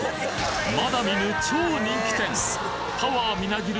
まだ見ぬ超人気店パワーみなぎる